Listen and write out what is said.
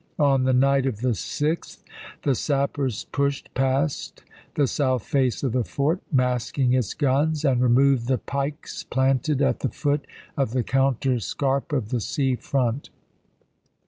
On the night of the 6th the sept., lses sappers pushed past the south face of the fort, masking its guns, and removed the pikes planted at the foot of the counter scarp of the sea front.